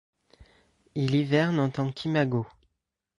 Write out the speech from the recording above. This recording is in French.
Il hiverne en tant qu'imago.